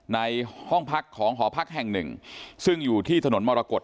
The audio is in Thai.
ในห้องพักของหอพักแห่งหนึ่งซึ่งอยู่ที่ถนนมรกฏ